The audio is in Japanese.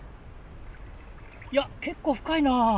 いや結構深いな！